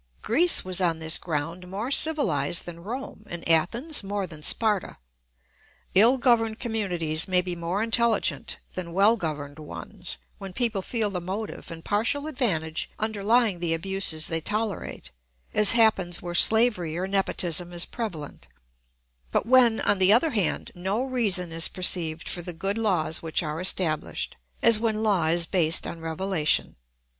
Greece was on this ground more civilised than Rome, and Athens more than Sparta. Ill governed communities may be more intelligent than well governed ones, when people feel the motive and partial advantage underlying the abuses they tolerate (as happens where slavery or nepotism is prevalent), but when on the other hand no reason is perceived for the good laws which are established (as when law is based on revelation).